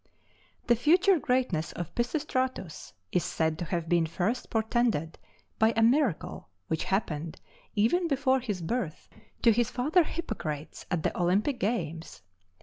The future greatness of Pisistratus is said to have been first portended by a miracle which happened, even before his birth, to his father Hippocrates at the Olympic games.